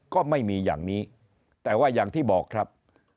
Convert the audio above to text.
ก็ไม่มีอย่างนี้แต่ว่าอย่างที่บอกครับ